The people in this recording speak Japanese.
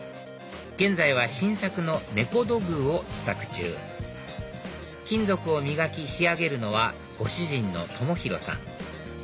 現在は新作の猫土偶を試作中金属を磨き仕上げるのはご主人の智宏さん